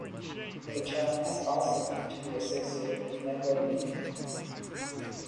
The term has also come to be associated with megalomania.